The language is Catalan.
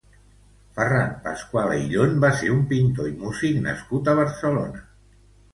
Ferran Pasqual Ayllón va ser un pintor i músic nascut a Barcelona.